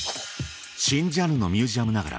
新ジャンルのミュージアムながら